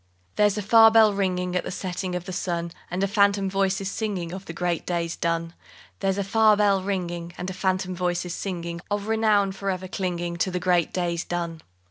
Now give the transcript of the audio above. _ There's a far bell ringing At the setting of the sun, And a phantom voice is singing Of the great days done. There's a far bell ringing, And a phantom voice is singing Of renown for ever clinging To the great days done.